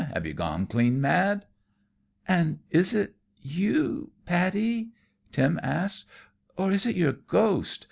Have you gone clean mad?" "And is it you, Paddy?" Tim asked; "or is it your ghost?